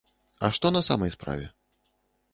А што на самай справе?